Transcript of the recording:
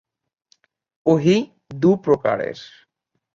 ওহী দু প্রকারের।